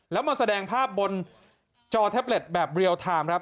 แล้วมาแสดงภาพบนจอแท็บเล็ตแบบเรียลไทม์ครับ